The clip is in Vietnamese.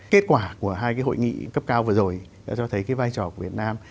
kết quả của hai cái hội nghị cấp cao vừa rồi đã cho thấy cái vai trò của việt nam